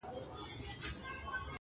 څه کلونه بېخبره وم له ځانه!!